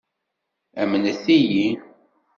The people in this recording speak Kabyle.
Amnet-iyi.